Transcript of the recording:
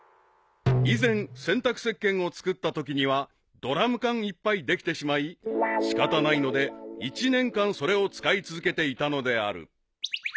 ［以前洗濯せっけんを作ったときにはドラム缶いっぱいできてしまい仕方ないので１年間それを使い続けていたのである］